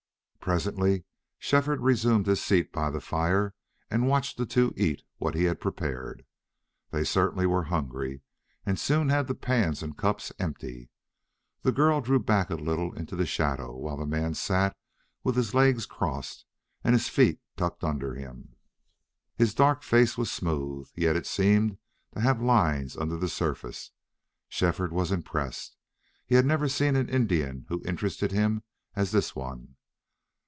Presently Shefford resumed his seat by the fire and watched the two eat what he had prepared. They certainly were hungry and soon had the pans and cups empty. Then the girl drew back a little into the shadow, while the man sat with his legs crossed and his feet tucked under him. His dark face was smooth, yet it seemed to have lines under the surface. Shefford was impressed. He had never seen an Indian who interested him as this one.